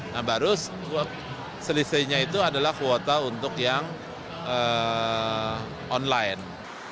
nah baru selisihnya itu adalah kuota untuk yang online